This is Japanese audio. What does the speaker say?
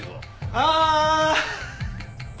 ああ！